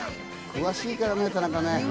詳しいからね、田中ね。